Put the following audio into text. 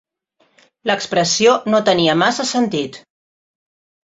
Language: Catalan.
L'expressió no tenia massa sentit.